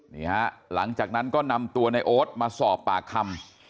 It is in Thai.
นี่ฮะหลังจากนั้นก็นำตัวในโอ๊ตมาสอบปากคำ